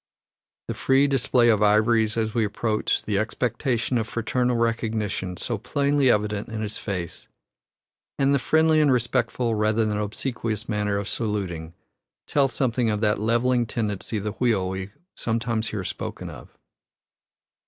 The free display of ivories as we approach, the expectation of fraternal recognition so plainly evident in his face, and the friendly and respectful, rather than obsequious, manner of saluting, tell something of that levelling tendency of the wheel we sometimes hear spoken of.